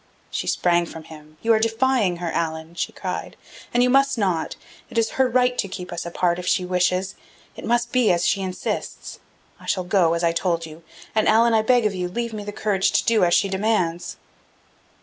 She sprang from him. "You are defying her, Allan!" she cried. "And you must not. It is her right to keep us apart, if she wishes. It must be as she insists. I shall go, as I told you. And, Allan, I beg of you, leave me the courage to do as she demands!"